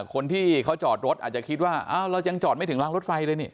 คนที่เขาจอดรถอาจจะคิดว่าอ้าวเรายังจอดไม่ถึงรางรถไฟเลยนี่